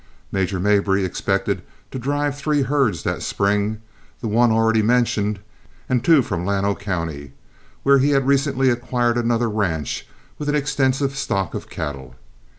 Major Mabry expected to drive three herds that spring, the one already mentioned and two from Llano County, where he had recently acquired another ranch with an extensive stock of cattle.